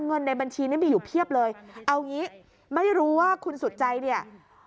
เงินในบัญชีนี้มีอยู่เพียบเลยเอางี้ไม่รู้ว่าคุณสุดใจเนี่ย